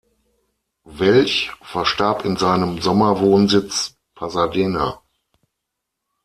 Welch verstarb in seinem Sommerwohnsitz Pasadena.